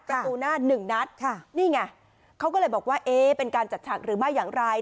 ประตูหน้าหนึ่งนัดค่ะนี่ไงเขาก็เลยบอกว่าเอ๊ะเป็นการจัดฉากหรือไม่อย่างไร